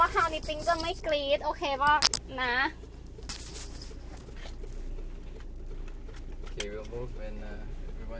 ไม่ใช่คุณคุณก็มีกิฟต์มาก่อน